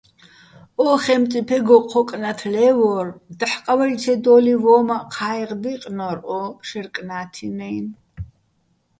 ო ხემწიფეგო ჴო კნათ ლე́ვვორ, დაჰ̦ ყავეჲლჩედო́ლიჼ ვო́მაჸ ჴაეღ დი́ყნო́რ ო შეჲრ კნა́თინა́ჲნო̆.